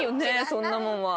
そんなもんは。